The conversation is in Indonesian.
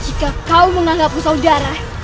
jika kau menganggapku saudara